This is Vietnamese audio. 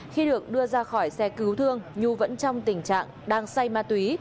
khi được đưa ra khỏi xe cứu thương nhu vẫn trong tình trạng đang say ma túy